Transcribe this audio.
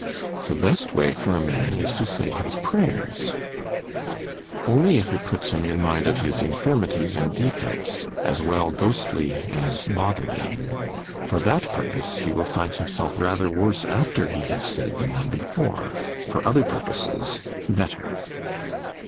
——The best way for a man, is to say his prayers—— Only if it puts him in mind of his infirmities and defects as well ghostly as bodily—for that purpose, he will find himself rather worse after he has said them than before—for other purposes, better.